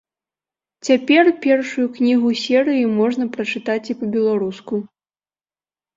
Цяпер першую кнігу серыі можна прачытаць і па-беларуску.